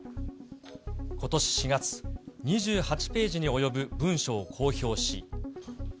ことし４月、２８ページに及ぶ文書を公表し。